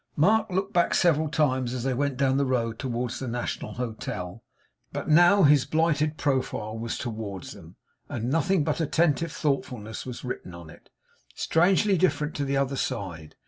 Mark looked back several times as they went down the road towards the National Hotel, but now his blighted profile was towards them, and nothing but attentive thoughtfulness was written on it. Strangely different to the other side!